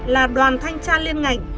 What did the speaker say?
là đoàn thanh tra liên ngạnh